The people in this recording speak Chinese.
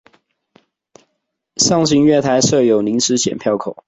上行月台设有临时剪票口。